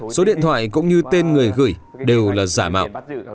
số điện thoại cũng như tên người gửi đều là giả mạo